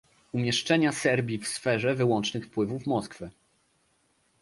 umieszczenia Serbii w sferze wyłącznych wpływów Moskwy